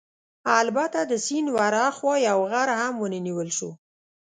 البته د سیند ورهاخوا یو غر هم ونه نیول شو.